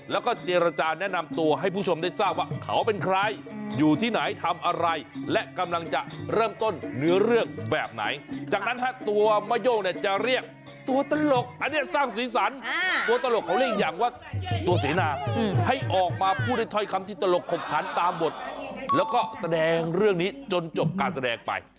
แล้วก็เจรจาแนะนำตัวให้ผู้ชมได้ทราบว่าเขาเป็นใครอยู่ที่ไหนทำอะไรและกำลังจะเริ่มต้นเนื้อเรื่องแบบไหนจากนั้นฮะตัวมะโย่งเนี่ยจะเรียกตัวตลกอันนี้สร้างสีสันตัวตลกเขาเรียกอีกอย่างว่าตัวเสนาให้ออกมาพูดด้วยถ้อยคำที่ตลกขบขันตามบทแล้วก็แสดงเรื่องนี้จนจบการแสดงไป